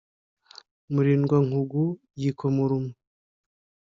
murindwa-nkugu yikoma urume.